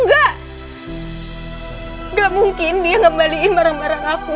gak mungkin dia ngembalikan barang barang aku